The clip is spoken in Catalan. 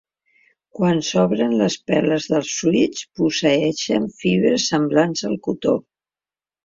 Quan s'obren les peles dels fruits posseeixen fibres semblants al cotó.